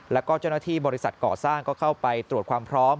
แล้วก็เจ้าหน้าที่บริษัทก่อสร้างก็เข้าไปตรวจความพร้อม